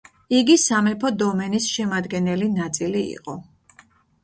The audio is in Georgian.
იგი სამეფო დომენის შემადგენელი ნაწილი იყო.